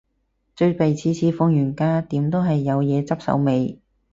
最弊次次放完假，點都係有嘢執手尾